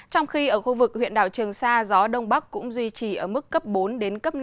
trong khi ở khu vực huyện đào trường sa gió đông bắc cũng duy trì ở mức cấp bốn năm